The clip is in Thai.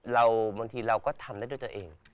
บางทีเราก็ทำได้ด้วยตัวเอง